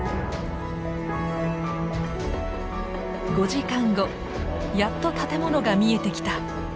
５時間後やっと建物が見えてきた！